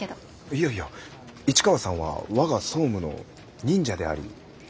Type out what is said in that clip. いやいや市川さんは我が総務の忍者であり孫の手ですから。